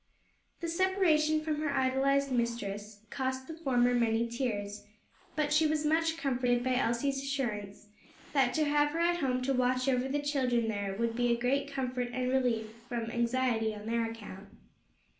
The separation from her idolized mistress, cost the former many tears, but she was much comforted by Elsie's assurance, that to have her at home to watch over the children there, would be a great comfort and relief from anxiety on their account.